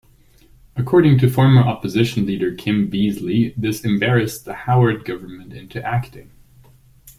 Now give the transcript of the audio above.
According to former opposition leader Kim Beazley, this embarrassed the Howard government into acting.